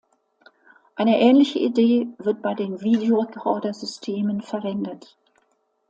Eine ähnliche Idee wird bei den Videorekorder-Systemen verwendet.